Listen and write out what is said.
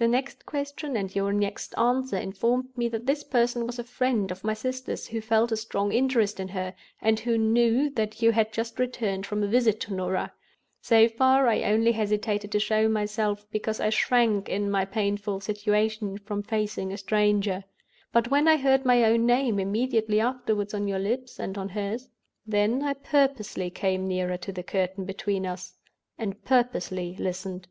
Her next question and your next answer informed me that this person was a friend of my sister's, who felt a strong interest in her, and who knew that you had just returned from a visit to Norah. So far, I only hesitated to show myself, because I shrank, in my painful situation, from facing a stranger. But when I heard my own name immediately afterward on your lips and on hers, then I purposely came nearer to the curtain between us, and purposely listened.